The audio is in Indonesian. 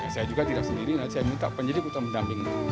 saya juga tidak sendiri saya minta penyidik untuk mendampingi